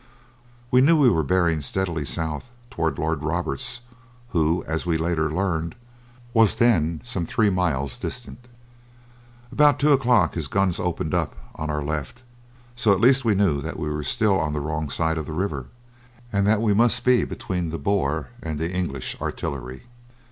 We knew we were bearing steadily south toward Lord Roberts, who as we later learned, was then some three miles distant. About two o'clock his guns opened on our left, so we at least knew that we were still on the wrong side of the river and that we must be between the Boer and the English artillery.